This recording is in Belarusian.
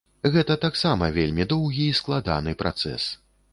Гэта таксам вельмі доўгі й складаны працэс.